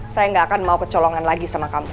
saya nggak akan mau kecolongan lagi sama kamu